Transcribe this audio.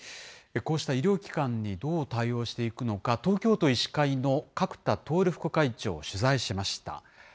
こうした医療機関にどう対応していくのか、東京都医師会の角田徹副会長を取材しました。